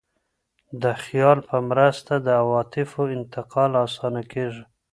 د خیال په مرسته د عواطفو انتقال اسانه کېږي.